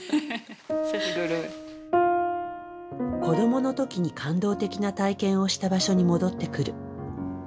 子どもの時に感動的な体験をした場所に戻ってくる。